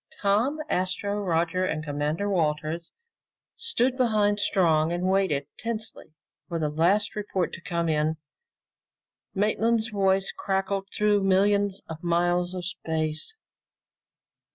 Tom, Astro, Roger, and Commander Walters stood behind Strong and waited tensely for the last report to come in. Maintland's voice crackled through millions of miles of space.